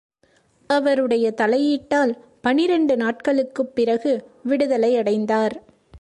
அவருடைய தலையீட்டால் பனிரெண்டு நாட்களுக்குப் பிறகு விடுதலையடைந்தார்.